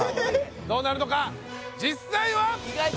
どうなるのか実際は！